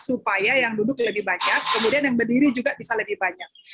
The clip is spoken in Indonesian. supaya yang duduk lebih banyak kemudian yang berdiri juga bisa lebih banyak